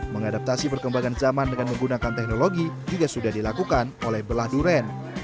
mengadaptasi perkembangan zaman dengan menggunakan teknologi juga sudah dilakukan oleh belah duren